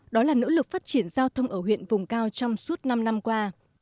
đó là nỗ lực phát triển giao thông ở huyện vùng cao trong suốt năm năm qua